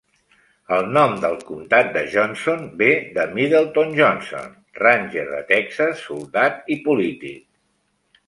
El nom del comtat de Johnson ve de Middleton Johnson, "ranger" de Texas, soldat i polític.